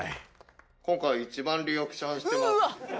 今回、一番リアクションしてうーわ。